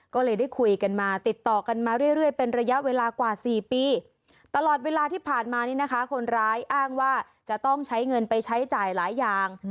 ก็เลยได้คุยกันมาติดต่อกันมาเรื่อยเป็นระยะเวลากว่า๔ปีตลอดเวลาที่ผ่านมานี่นะคะคนร้ายอ้างว่าจะต้องใช้เงินไปใช้จ่ายหลายอย่าง